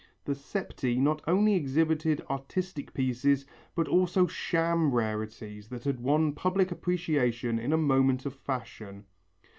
The septæ not only exhibited artistic pieces but also sham rarities that had won public appreciation in a moment of fashion.